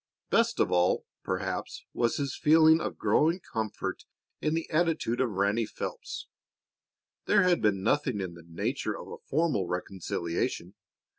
Best of all, perhaps, was his feeling of growing comfort in the attitude of Ranny Phelps. There had been nothing in the nature of a formal reconciliation.